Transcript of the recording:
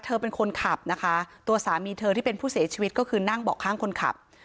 เธอเป็นคนขับนะคะตัวสามีเธอที่เป็นผู้เสียชีวิตก็คือนั่งเบาะข้างคนขับ